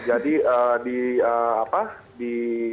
jadi di apa di